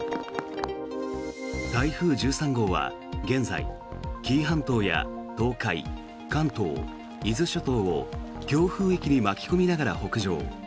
台風１３号は現在、紀伊半島や東海、関東、伊豆諸島を強風域に巻き込みながら北上。